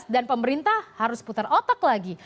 pemerintah harus putar otak lagi